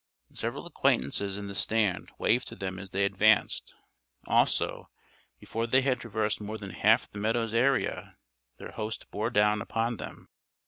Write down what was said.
Several acquaintances in the stand waved to them as they advanced. Also, before they had traversed more than half the meadow's area their host bore down upon them.